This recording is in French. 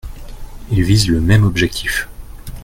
Il vise le même objectif.